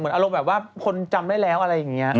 อารมณ์แบบว่าคนจำได้แล้วอะไรอย่างนี้